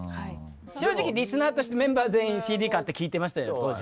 正直リスナーとしてメンバー全員ＣＤ買って聴いてました。